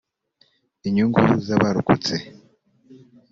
inyungu z’abarokotse